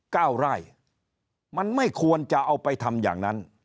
เก้าไร่มันไม่ควรจะเอาไปทำอย่างนั้น